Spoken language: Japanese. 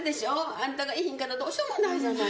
あんたがいいひんかったらどうしようもないじゃない！